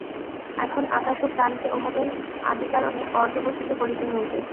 এখন আকাশ ও প্রাণকে উহাদের আদিকারণে পর্যবসিত করিতে হইবে।